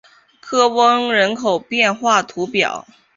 科翁人口变化图示